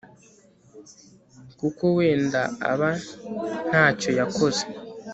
kuko wenda aba nta cyo yakoze